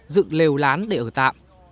dựng lều lán để ở tạm